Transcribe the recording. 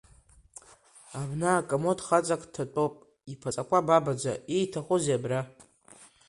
Абна акамод хаҵак дҭатәоуп иԥаҵақәа бабаӡа, ииҭахузеи абра?